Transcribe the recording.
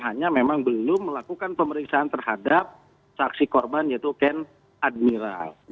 hanya memang belum melakukan pemeriksaan terhadap saksi korban yaitu ken admiral